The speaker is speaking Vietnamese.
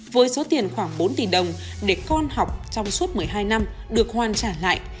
với số tiền khoảng bốn tỷ đồng để con học trong suốt một mươi hai năm được hoàn trả lại